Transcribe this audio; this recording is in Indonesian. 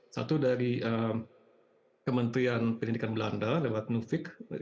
satu dari kementerian pendidikan belanda lewat nuvic